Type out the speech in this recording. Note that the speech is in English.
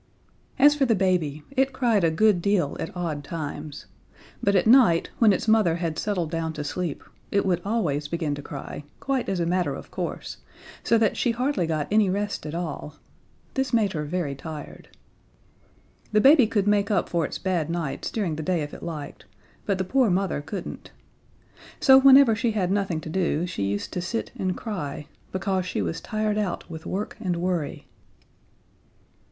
As for the baby, it cried a good deal at odd times; but at night, when its mother had settled down to sleep, it would always begin to cry, quite as a matter of course, so that she hardly got any rest at all. This made her very tired. The baby could make up for its bad nights during the day if it liked, but the poor mother couldn't. So whenever she had nothing to do she used to sit and cry, because she was tired out with work and worry.